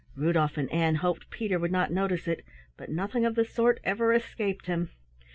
Rudolf and Ann hoped Peter would not notice it, but nothing of the sort ever escaped him.